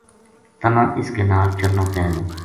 تَنا اس کے نال چلنو پے گو “